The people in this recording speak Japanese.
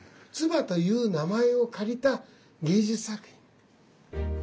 鐔という名前を借りた芸術作品。